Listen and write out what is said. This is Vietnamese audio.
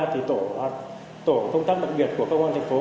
thì tổ công tác đặc biệt của công an thành phố